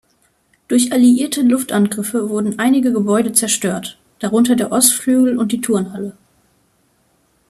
Durch alliierte Luftangriffe wurden einige Gebäude zerstört, darunter der Ostflügel und die Turnhalle.